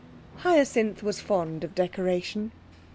Hyacinth was fond of decoration.